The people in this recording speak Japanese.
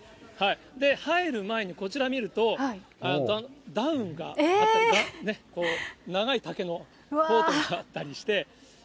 入る前に、こちら見ると、ダウンがあったり、長い丈のコートみたいなのがあったりして。